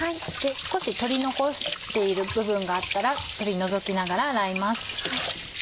少し取り残している部分があったら取り除きながら洗います。